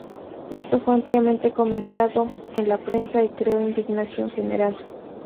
Esto fue ampliamente comentado en la prensa y creó indignación general.